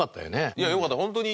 いやよかったホントに。